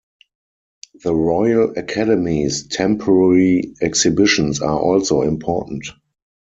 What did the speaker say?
The Royal Academy's temporary exhibitions are also important.